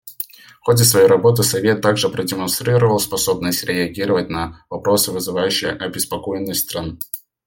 В ходе своей работы Совет также продемонстрировал способность реагировать на вопросы, вызывающие обеспокоенность стран.